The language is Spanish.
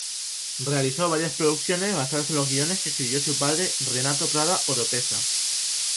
Realizó varias producciones basadas en los guiones que escribió su padre Renato Prada Oropeza.